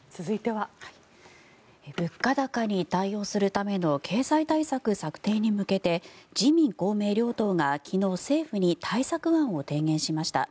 物価高に対応するための経済対策策定に向けて自民・公明両党が昨日、政府に対策案を提言しました。